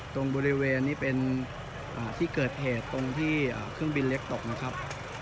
ตรงบริเวณนี้เป็นที่เกิดเหตุตรงที่เครื่องบินเล็กตกนะครับ